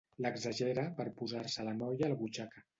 L'exagera per posar-se la noia a la butxaca.